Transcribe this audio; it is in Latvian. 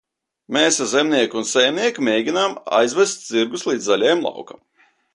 Mēs ar Zemnieku un saimnieku mēģinām aizvest zirgus līdz zaļajam laukam.